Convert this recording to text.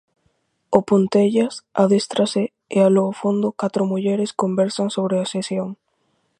O Pontellas adéstrase e aló ao fondo catro mulleres conversan sobre a sesión.